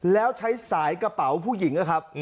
แล้วใช้สายกระเป๋าผู้หญิง